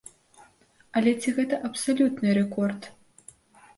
Але ці гэта абсалютны рэкорд?